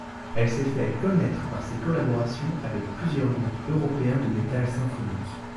Elle s'est fait connaître par ses collaborations avec plusieurs groupes européens de metal symphonique.